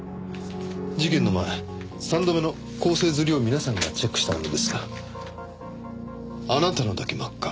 事件の前３度目の校正刷りを皆さんがチェックしたものですがあなたのだけ真っ赤。